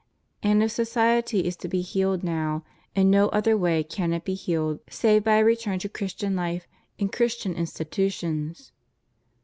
And if society is to be healed now, in no other way can it be healed save by a return to Christian fife and Christian institutions.